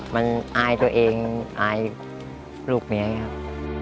มันอายตัวเองอายลูกเมียครับ